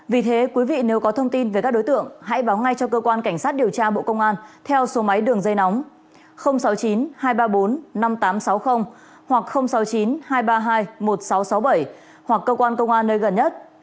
vì thế quý vị nếu có thông tin về các đối tượng hãy báo ngay cho cơ quan cảnh sát điều tra bộ công an theo số máy đường dây nóng sáu mươi chín hai trăm ba mươi bốn năm nghìn tám trăm sáu mươi hoặc sáu mươi chín hai trăm ba mươi hai một nghìn sáu trăm sáu mươi bảy hoặc cơ quan công an nơi gần nhất